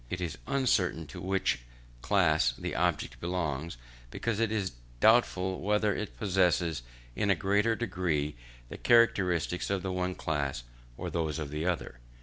It is uncertain to which class the object belongs, because it is doubtful whether it possesses in a greater degree the characteristics of the one class or those of the other.